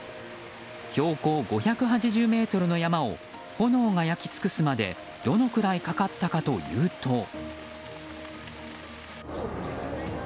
標高５８０ｍの山を炎が焼き尽くすまでどのくらいかかったかというと。